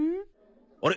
あれ？